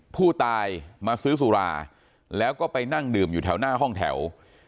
ผู้ตายมาซื้อสุราแล้วก็ไปนั่งดื่มอยู่แถวหน้าห้องแถว